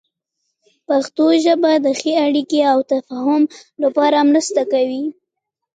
پښتو ژبه د ښې اړیکې او تفاهم لپاره مرسته کوي.